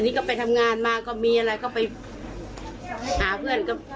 นี่ก็ไปทำงานมาก็มีอะไรก็ไปหาเพื่อนก็